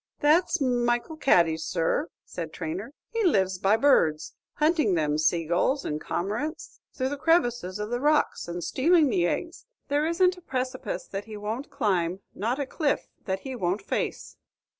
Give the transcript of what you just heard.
"That's Michel Cady's, sir," said Traynor; "he lives by birds, hunting them saygulls and cormorants through the crevices of the rocks, and stealing the eggs. There isn't a precipice that he won't climb, not a cliff that he won't face."